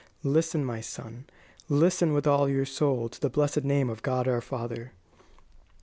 Listen, my son, listen with all your soul to the blessed name of God our Father."